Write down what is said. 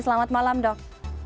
selamat malam dok